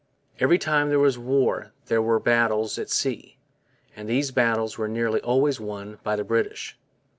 Every time there was war there were battles at sea, and these battles were nearly always won by the British.